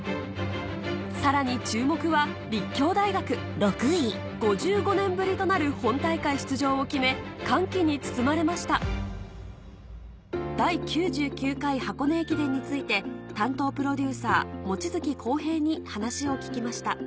さらに注目は立教大学５５年ぶりとなる本大会出場を決め歓喜に包まれました第９９回箱根駅伝について担当プロデューサー望月浩平に話を聞きました